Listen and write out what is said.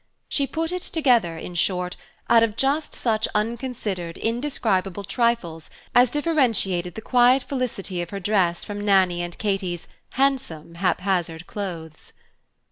she put it together, in short, out of just such unconsidered indescribable trifles as differentiated the quiet felicity of her dress from Nannie and Katy's "handsome" haphazard clothes.